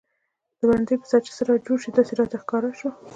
د برنډې پر سر چې څه جوړ شي داسې راته ښکاره شو.